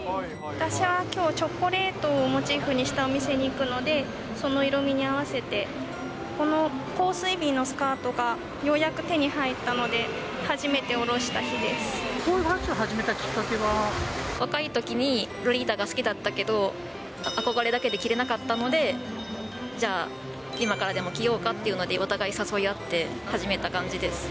私はきょう、チョコレートをモチーフにしたお店に行くので、その色味に合わせて、この香水瓶のスカートがようやく手に入ったので、こういうファッションを始め若いときに、ロリータが好きだったけど、憧れだけで着れなかったので、じゃあ、今からでも着ようかっていうので、お互い誘い合って始めた感じです。